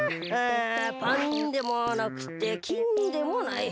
パンでもなくてキンでもない。